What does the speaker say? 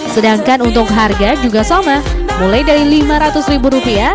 sedangkan untuk harga juga sama mulai dari rp lima ratus